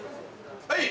はい。